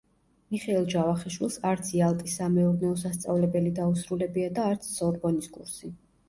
მიხეილ ჯავახიშვილს არც იალტის სამეურნეო სასწავლებელი დაუსრულებია და არც სორბონის კურსი.